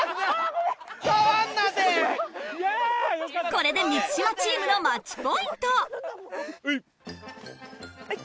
これで満島チームのマッチポイントはい。